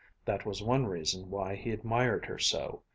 That was one reason why he admired her so.